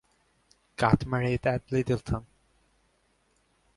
Got married at Lyttleton.